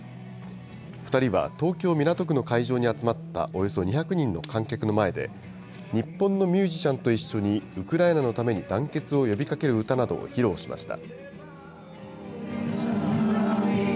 ２人は東京・港区の会場に集まったおよそ２００人の観客の前で、日本のミュージシャンと一緒にウクライナのために団結を呼びかける歌などを披露しました。